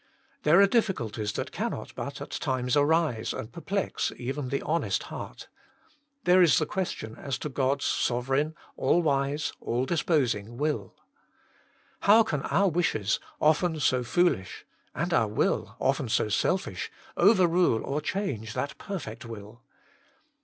There are difficulties that cannot but at times arise and perplex even the honest heart. There is the question as to God s sovereign, all wise, all dis posing will. How can our wishes, often so foolish, and our will, often so selfish, overrule or change that perfect will